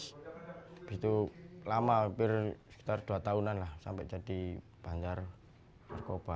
habis itu lama hampir sekitar dua tahunan lah sampai jadi bancar narkoba